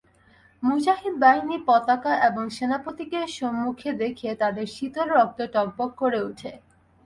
মুজাহিদ বাহিনী পতাকা এবং সেনাপতিকে সম্মুখে দেখে তাদের শীতল রক্ত টগবগ করে উঠে।